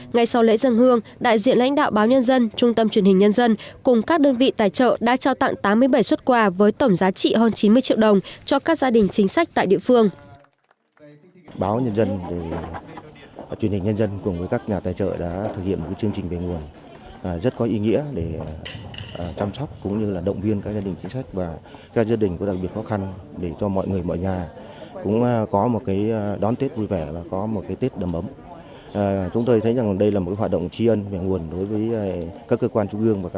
ngày sau lễ dân hương đại diện lãnh đạo báo nhân dân trung tâm truyền hình nhân dân cùng các đơn vị tài trợ đã cho tặng tám mươi bảy xuất quà với tổng giá trị hơn chín mươi triệu đồng cho các gia đình chính sách tại địa phương